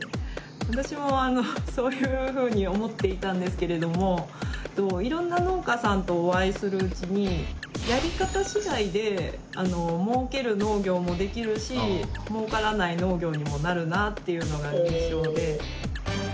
私もあのそういうふうに思っていたんですけれどもいろんな農家さんとお会いするうちにやり方次第で儲ける農業もできるし儲からない農業にもなるなっていうのが印象で。